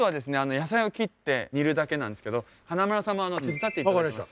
野菜を切って煮るだけなんですけど華丸さんも手伝っていただきます。